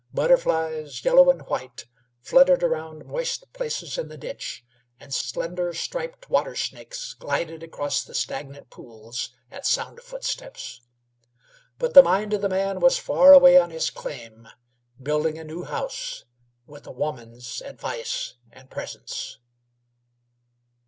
Butterflies, yellow and white, fluttered around moist places in the ditch, and slender, striped water snakes glided across the stagnant pools at sound of footsteps. But the mind of the man was far away on his claim, building a new house, with a woman's advice and presence.